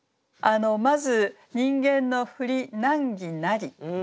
まず「人間のふり難儀なり」ですね。